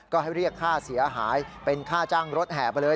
ก็ให้เรียกค่าเสียหายเป็นค่าจ้างรถแห่ไปเลย